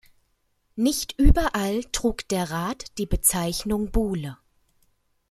Nicht überall trug der Rat die Bezeichnung Bule.